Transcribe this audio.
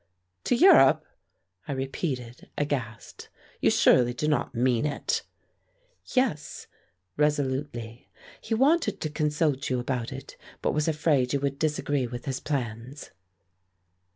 "To Europe!" I repeated, aghast. "You surely do not mean it?" "Yes," resolutely. "He wanted to consult you about it, but was afraid you would disagree with his plans."